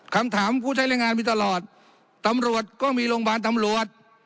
ผู้ใช้แรงงานมีตลอดตำรวจก็มีโรงพยาบาลตำรวจ